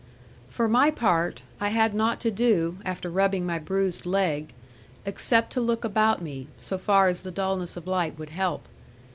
For my part, I had nought to do, after rubbing my bruised leg, except to look about me, so far as the dullness of light would help.